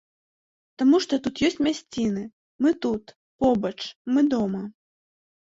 Таму што тут ёсць мясціны, мы тут, побач, мы дома.